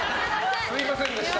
すみませんでした。